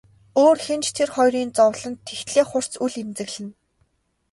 Өөр хэн ч тэр хоёрын зовлонд тэгтлээ хурц үл эмзэглэнэ.